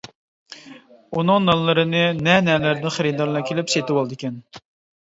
ئۇنىڭ نانلىرىنى نە-نەلەردىن خېرىدارلار كېلىپ سېتىۋالىدىكەن.